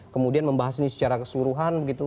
kemudian membahas ini secara keseluruhan begitu